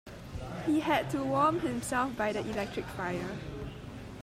He had to warm himself by the electric fire